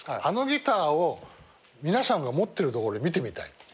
あのギターを皆さんが持ってるところ見てみたい。